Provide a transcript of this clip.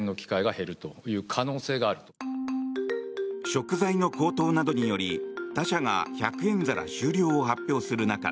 食材の高騰などにより他社が１００円皿終了を発表する中